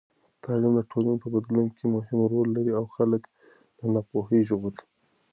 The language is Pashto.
تعلیم د ټولنې په بدلون کې مهم رول لري او خلک له ناپوهۍ ژغوري.